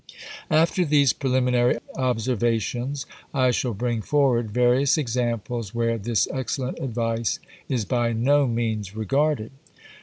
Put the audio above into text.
After these preliminary observations, I shall bring forward various examples where this excellent advice is by no means regarded.